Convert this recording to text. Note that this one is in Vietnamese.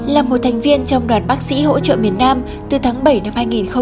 là một thành viên trong đoàn bác sĩ hỗ trợ miền nam từ tháng bảy năm hai nghìn một mươi chín